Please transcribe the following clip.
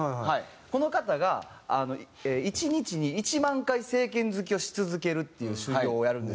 この方があの１日に１万回正拳突きをし続けるっていう修行をやるんですよ。